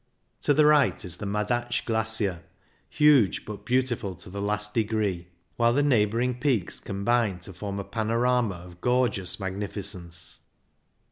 To the right is the Madatsch Glacier, huge but beautiful to the last degree, while the neighbouring 24 CYCLING IN THE ALPS peaks combine to form a panorama of gorgeous magnificence.